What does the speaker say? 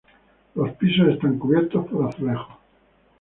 Los pisos están cubiertos por azulejos.